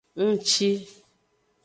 Ngci.